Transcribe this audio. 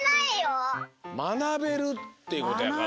まなべるっていうことやから。